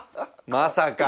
まさか。